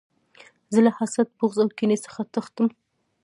زه له حسد، بغض او کینې څخه تښتم.